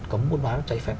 cấm buôn bán giải phép